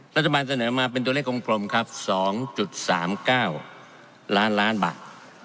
รัฐบาลเสนอมาเป็นตัวเลขกลมครับ๒๓๙ล้านล้านบาท